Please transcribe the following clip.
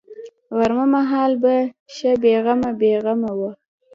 غرمه مهال به ښه بې غمه بې غمه وه.